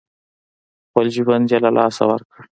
خپل ژوند یې له لاسه ورکړ.